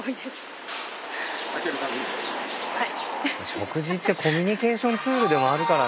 食事ってコミュニケーションツールでもあるからなあ。